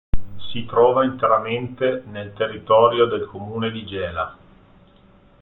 Si trova interamente nel territorio del comune di Gela.